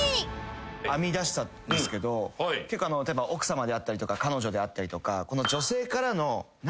編み出したんですけど奥さまであったりとか彼女であったりとか。